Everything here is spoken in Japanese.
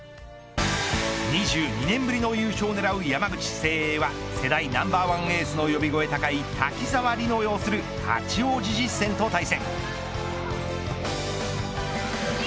２２年ぶりの優勝を狙う山口誠英は世代ナンバーワンエースの呼び声高い瀧澤凜乃擁する八王子実践と対戦。